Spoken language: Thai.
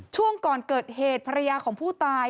ช่วงก่อนเกิดเหตุภรรยาของผู้ตาย